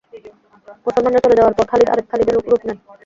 মুসলমানরা চলে যাওয়ার পর খালিদ আরেক খালিদে রূপ নেন।